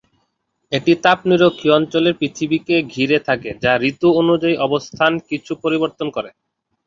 এটি তাপ নিরক্ষীয় অঞ্চলে পৃথিবীকে ঘিরে থাকে, যা ঋতু অনুযায়ী অবস্থান কিছু পরিবর্তন করে।